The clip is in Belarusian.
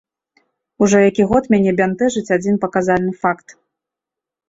Ужо які год мяне бянтэжыць адзін паказальны факт.